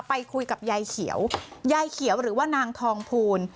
ไปคุยกับยายเขียวยายเขียวหรือว่านางทองภูล